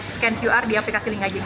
scan qr di aplikasi linkaja